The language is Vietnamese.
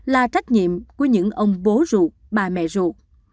là trách nhiệm của những ông bố ruột bà mẹ ruột